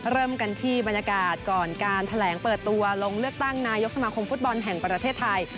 เริ่มกันที่บรรยากาศก่อนการแถลงเปิดตัวลงเลือกตั้งนายกสมาคมฟุตบอลแห่งประเทศไทย